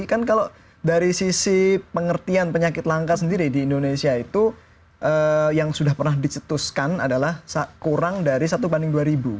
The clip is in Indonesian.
kan kalau dari sisi pengertian penyakit langka sendiri di indonesia itu yang sudah pernah dicetuskan adalah kurang dari satu banding dua ribu